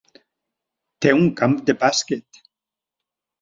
Té un "camp de bàsquet".